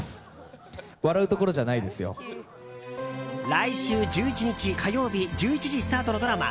来週１１日火曜日１１時スタートのドラマ